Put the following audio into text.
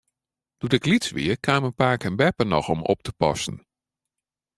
Doe't ik lyts wie, kamen pake en beppe noch om op te passen.